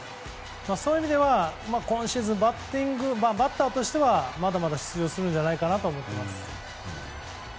そういう意味では今シーズン、バッターとしてはまだまだ出場すると思っています。